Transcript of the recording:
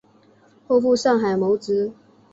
后赴上海谋职。